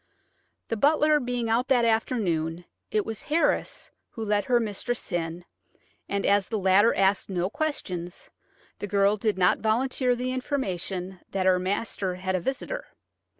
The butler being out that afternoon it was Harris who let her mistress in, and as the latter asked no questions, the girl did not volunteer the information that her master had a visitor.